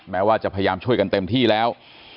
แม้ว่าจะพยายามช่วยกันเต็มที่แล้ว